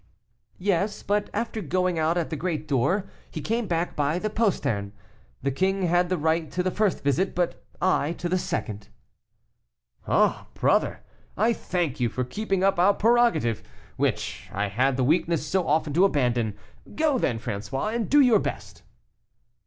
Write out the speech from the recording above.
"Yes; but after going out at the great door he came back by the postern. The king had the right to the first visit, but I to the second." "Ah, brother, I thank you for keeping up our prerogative, which I had the weakness so often to abandon. Go, then, François, and do your best."